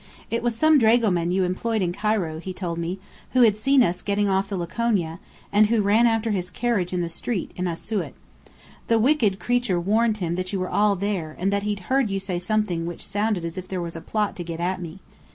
It was some dragoman you employed in Cairo, he told me, who had seen us getting off the Laconia, and who ran after his carriage in the street, in Asiut. The wicked creature warned him that you were all there, and that he'd heard you say something which sounded as if there were a plot to get at me.